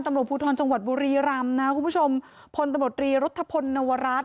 ตำรวจภูทรจังหวัดบุรีรำนะคุณผู้ชมพลตำรวจรีรัฐพลนวรัฐ